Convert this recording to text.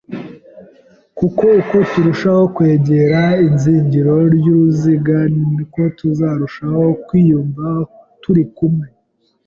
kuko uko turushaho kwegera izingiro ry’uruziga ni ko tuzarushaho kwiyumva turi umwe,